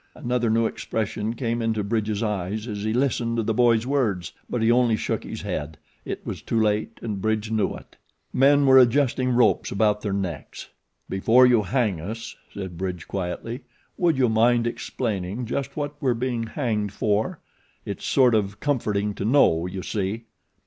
Another new expression came into Bridge's eyes as he listened to the boy's words; but he only shook his head. It was too late, and Bridge knew it. Men were adjusting ropes about their necks. "Before you hang us," said Bridge quietly, "would you mind explaining just what we're being hanged for it's sort of comforting to know, you see."